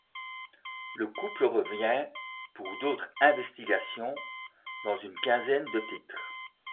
Le couple revient pour d'autres investigations dans une quinzaine de titres.